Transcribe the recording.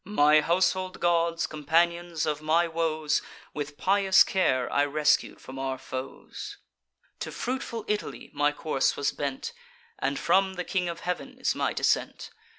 My household gods, companions of my woes, With pious care I rescued from our foes. To fruitful Italy my course was bent; And from the King of Heav'n is my descent.